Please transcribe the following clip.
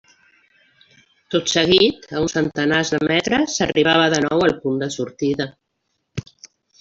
Tot seguit, a uns centenars de metres, s'arribava de nou al punt de sortida.